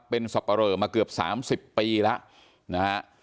เป็นสับปะเหลอมาเกือบ๓๐ปีแล้วนะฮะ